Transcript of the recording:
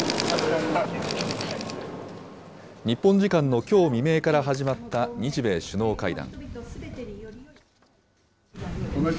日本時間のきょう未明から始まった日米首脳会談。